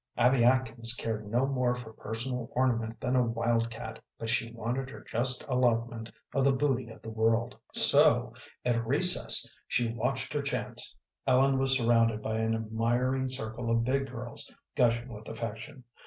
Abby Atkins cared no more for personal ornament than a wild cat, but she wanted her just allotment of the booty of the world. So at recess she watched her chance. Ellen was surrounded by an admiring circle of big girls, gushing with affection.